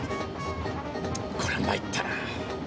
こりゃ参ったな。